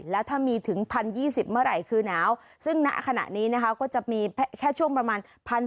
แล้วถ้ามีถึง๑๐๒๐เมื่อไหร่คือหนาวซึ่งณขณะนี้นะคะก็จะมีแค่ช่วงประมาณ